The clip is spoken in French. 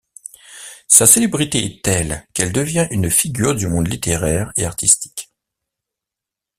Sa célébrité est telle qu'elle devient une figure du monde littéraire et artistique.